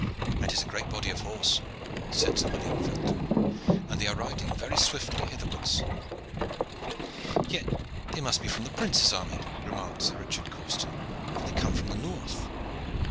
"It is a great body of horse," said Sir William Felton, "and they are riding very swiftly hitherwards." "Yet they must be from the prince's army," remarked Sir Richard Causton, "for they come from the north."